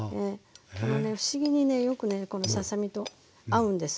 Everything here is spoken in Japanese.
不思議にねよくねこのささ身と合うんです。